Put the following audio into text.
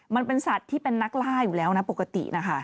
มันเป็นสัตว์ที่เป็นนักล่าอยู่แล้วนะปกตินะคะ